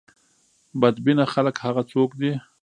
بد بینه خلک هغه څوک دي.